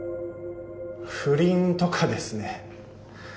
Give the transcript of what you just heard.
不倫とかですね。